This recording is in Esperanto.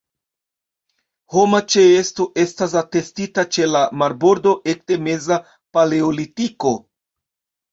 Homa ĉeesto estas atestita ĉe la marbordo ekde meza paleolitiko.